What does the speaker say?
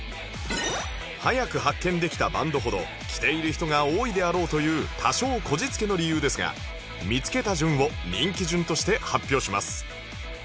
早く発見できたバンドほど着ている人が多いであろうという多少こじつけの理由ですが見つけた順を人気順として発表します